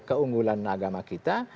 keunggulan agama kita